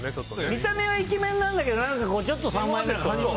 見た目はイケメンなんだけどちょっと三枚目な感じも。